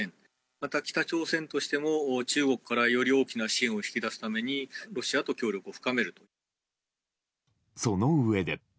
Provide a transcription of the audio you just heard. また、北朝鮮としても中国からより大きな支援を引き出すために、ロシアその上で。